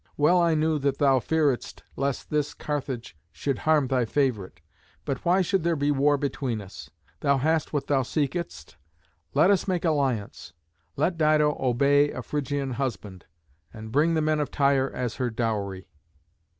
Well I knew that thou fearedst lest this Carthage should harm thy favourite. But why should there be war between us? Thou hast what thou seekedst. Let us make alliance. Let Dido obey a Phrygian husband, and bring the men of Tyre as her dowry."